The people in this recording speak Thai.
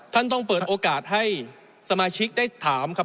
ท่านต้องเปิดโอกาสให้สมาชิกได้ถามครับ